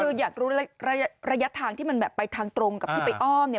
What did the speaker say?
คืออยากรู้ระยะทางที่มันแบบไปทางตรงกับที่ไปอ้อมเนี่ย